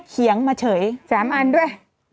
เขียงมาเฉยถึงสามอันด้วย